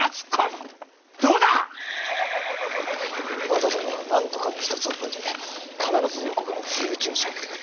和田殿は何とかの一つ覚えで必ず横から不意打ちを仕掛けてくる。